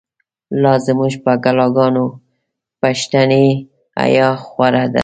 لازموږ په کلاګانو، پښتنی حیا خو ره ده